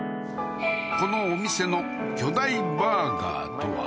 このお店の巨大バーガーとは？